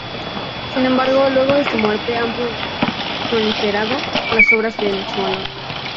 Sin embargo, luego de su muerte, han proliferado las obras en su honor.